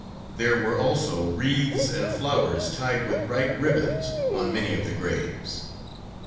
There were also wreaths and flowers tied with bright ribbons on many of the graves.